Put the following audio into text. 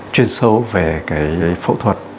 chuyên sâu về cái phẫu thuật